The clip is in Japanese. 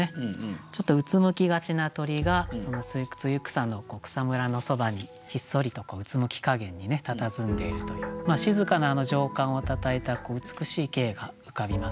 ちょっとうつむきがちな鳥が露草の草むらのそばにひっそりとうつむきかげんに佇んでいるという静かな情感をたたえた美しい景が浮かびます。